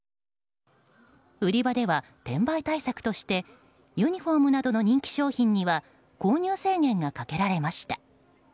売り場では、転売対策としてユニホームなどの人気商品には購入制限がかけられました。